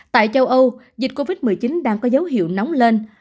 tại châu âu dịch covid một mươi chín đang có dấu hiệu nóng lên